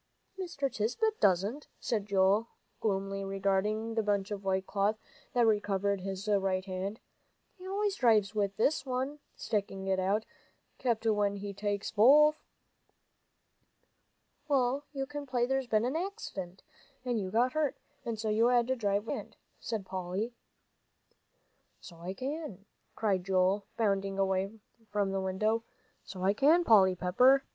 "Mr. Tisbett doesn't," said Joel, gloomily regarding the bunch of white cloth that covered his right hand. "He always drives with this one," sticking it out, "'cept when he takes both." "Well, you can play there's been an accident, and you got hurt, and so you had to drive with that hand," said Polly. "So I can," cried Joel, bounding away from the window, "so I can, Polly Pepper.